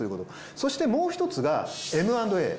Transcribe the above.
そしてもう１つがＭ＆Ａ。